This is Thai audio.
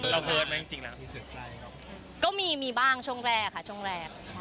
แล้วเฟิร์สมั้ยจริงล่ะมีเสียงใจหรอก็มีมีบ้างช่องแรกค่ะช่องแรก